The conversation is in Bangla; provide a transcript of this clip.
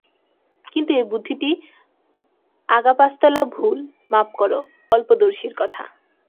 কিন্তু এ বুদ্ধিটি আগাপাস্তলা ভুল, মাপ কর, অল্পদর্শীর কথা।